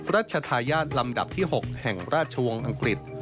ราชทายาทลำดับที่๖แห่งราชวงศ์อังกฤษ